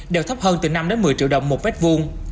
đều thấp hơn từ năm đến một mươi triệu đồng một mét vuông